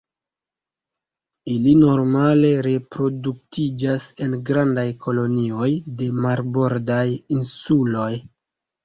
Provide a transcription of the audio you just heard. Ili normale reproduktiĝas en grandaj kolonioj de marbordaj insuloj.